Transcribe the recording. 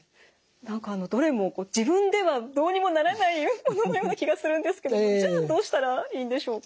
何かどれも自分ではどうにもならないもののような気がするんですけどもじゃあどうしたらいいんでしょうか？